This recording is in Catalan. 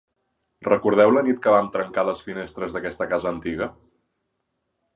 Recordeu la nit que vam trencar les finestres d'aquesta casa antiga?